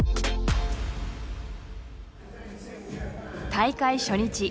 大会初日。